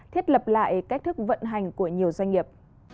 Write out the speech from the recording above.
thiết lập lại cách thức vận hành của nhiều doanh nghiệp